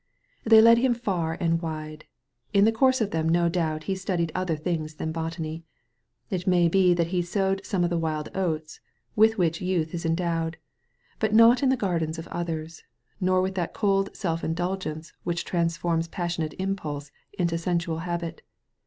They led him far and wide. In the course of them no doubt he studied other things than botany. It may be that he sowed some of the wild oats with which youth is endowed; but not in the gardens of others; nor with that cold self indulgence which transforms passionate impulse into sensual habit.